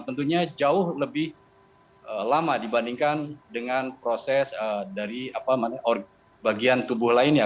tentunya jauh lebih lama dibandingkan dengan proses dari bagian tubuh lainnya